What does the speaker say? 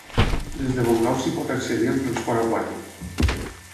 Des de Bongao s'hi pot accedir amb transport aquàtic.